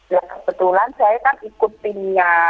ya kebetulan saya kan ikut timnya